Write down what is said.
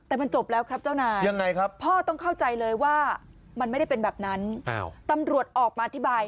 แต่มันจบแล้วครับเจ้านายครับพ่อต้องเข้าใจเลยว่ามันไม่ได้เป็นแบบนั้นตำรวจออกมาอธิบาย